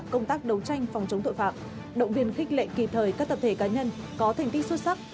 công tác đấu tranh phòng chống tội phạm động viên khích lệ kỳ thời các tập thể cá nhân có thành tích xuất sắc